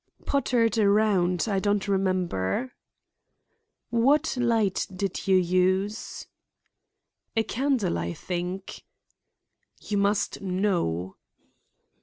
"Pottered around. I don't remember." "What light did you use?" "A candle, I think." "You must know."